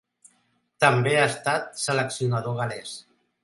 També ha estat seleccionador gal·lès.